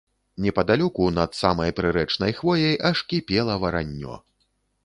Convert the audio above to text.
Непадалёку, над самай прырэчнай хвояй, аж кіпела вараннё.